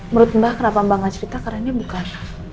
menurut mbak kenapa mbak gak cerita karena ini bukan